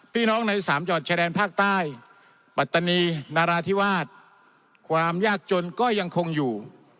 พี่น้องในสามจังหวัดชายแดนภาคใต้ปัตตานีนาราธิวาสความยากจนก็ยังคงอยู่